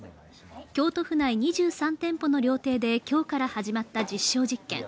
京都府内２３店舗の料亭で今日から始まった実証実験。